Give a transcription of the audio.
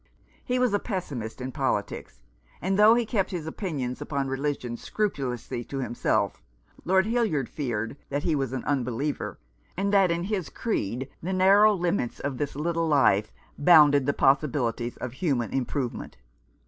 He was a pessimist in politics — and though he kept his opinions upon religion scrupulously to himself, Lord Hildyard feared that he was an unbeliever, and that in his creed the narrow limits of this little life bounded the possibilities of human improvement.